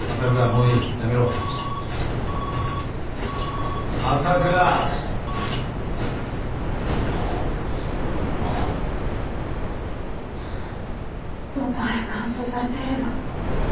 もっと早く搬送されていれば。